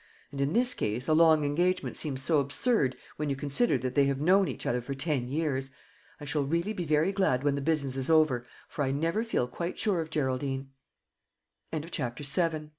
And in this case a long engagement seems so absurd, when you consider that they have known each other for ten years. I shall really be very glad when the business is over, for I never feel quite sure of Geraldine." CHAPTER VIII. SMOULDERIN